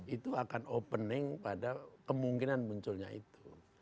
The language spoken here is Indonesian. itu akan opening pada kemungkinan munculnya itu